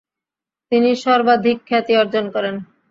তিনি সর্বাধিক খ্যাতি অর্জন করেন।